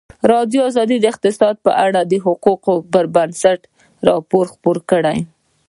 ازادي راډیو د اقتصاد په اړه د حقایقو پر بنسټ راپور خپور کړی.